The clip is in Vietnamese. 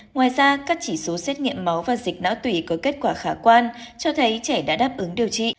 ngoài ra các chỉ số xét nghiệm máu và dịch não tủy có kết quả khả quan cho thấy trẻ đã đáp ứng điều trị